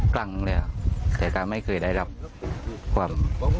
กลังเลยอะแต่ก็ไม่เคยได้รับความ